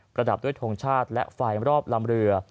ระดับด้วยทงชาติและไฟรอบลำเรือ